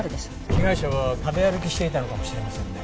被害者は食べ歩きしていたのかもしれませんね。